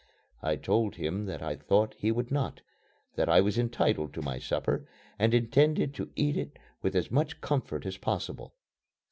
I told him that I thought he would not that I was entitled to my supper and intended to eat it with as much comfort as possible.